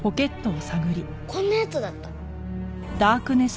こんな奴だった。